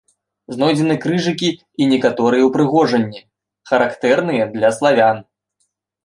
Знойдзены крыжыкі і некаторыя ўпрыгожанні, характэрныя для славян.